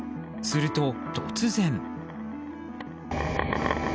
すると、突然。